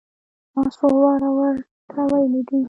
ما څو واره ور ته ويلي دي.